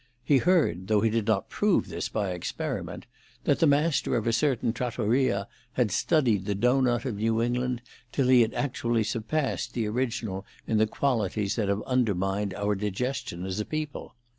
He heard—though he did not prove this by experiment—that the master of a certain trattoria had studied the doughnut of New England till he had actually surpassed the original in the qualities that have undermined our digestion as a people.